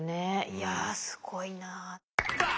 いやすごいな。